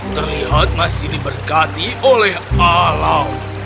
terlihat masih diberkati oleh alam